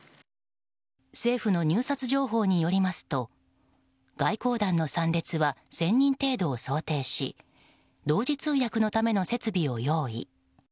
政府の入札情報によりますと外交団の参列は１０００人程度を想定し同時通訳のための設備を用意。